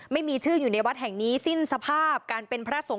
ไม่มีชื่ออยู่ในวัดแห่งนี้สิ้นสภาพการเป็นพระสงฆ